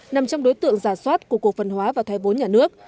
nằm trong đối tượng giả soát của cổ phần hóa và thoái vốn nhà nước